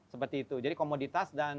seperti itu jadi komoditas dan